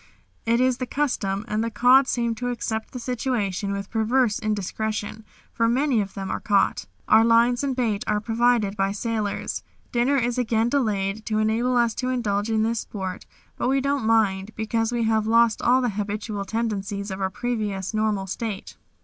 It is the custom, and the cod seem to accept the situation with perverse indiscretion, for many of them are caught. Our lines and bait are provided by sailors. Dinner is again delayed to enable us to indulge in this sport, but we don't mind because we have lost all the habitual tendencies of our previous normal state.